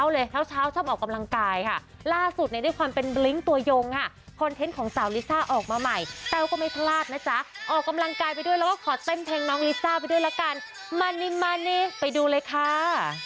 และขอเต้นเพลงครับน้องลิซาไปด้วยละกันมานี่ไปดูเลยค่า